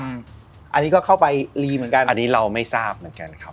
อันนี้ก็เข้าไปลีเหมือนกัน